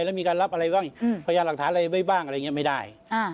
แล้วมีการรับอะไรบ้างพยานหลักฐานอะไรไว้บ้างอะไรอย่างนี้ไม่ได้